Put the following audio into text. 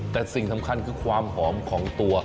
แต่สิ่งสำคัญคือความหอมของตัว